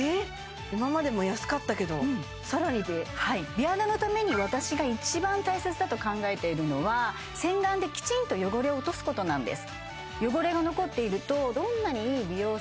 今までも安かったけどさらにで美肌のために私が一番大切だと考えているのは洗顔できちんと汚れを落とすことなんです